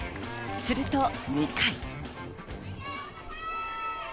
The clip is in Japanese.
すると２回。